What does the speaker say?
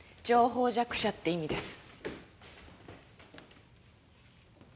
情報弱者って意味です。